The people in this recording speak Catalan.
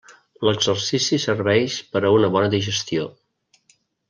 L'exercici serveix per a una bona digestió.